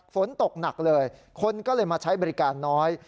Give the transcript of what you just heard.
ฝนตกหนักเลยคนก็เลยมาใช้บริการน้อย